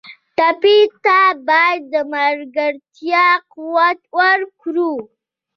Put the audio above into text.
ټپي ته باید د ملګرتیا قوت ورکړو.